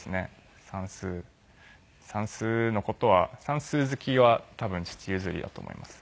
算数の事は算数好きは多分父譲りだと思います。